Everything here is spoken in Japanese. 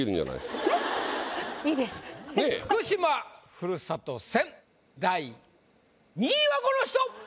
福島ふるさと戦第２位はこの人！